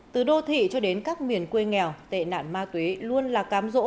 từ đô thị cho đến các miền quê nghèo tệ nạn ma túy luôn là cám rỗ